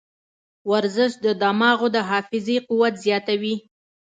ورزش د دماغو د حافظې قوت زیاتوي.